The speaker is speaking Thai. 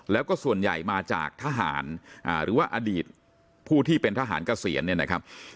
แล้วก็ส่วนใหญ่มาจากทหารหรือว่าอดีตผู้ที่เป็นทหารเกษียณเนี่ยนะครับ